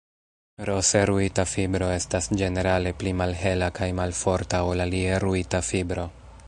Rose ruita fibro estas ĝenerale pli malhela kaj malforta ol alie ruita fibro.